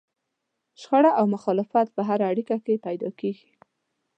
شخړه او مخالفت په هره اړيکه کې پيدا کېږي.